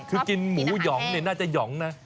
คือกินหมูหยองเนี่ยน่าจะหยองนะ